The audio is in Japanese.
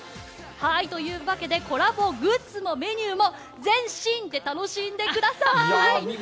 コラボグッズもメニューも全身で楽しんでください！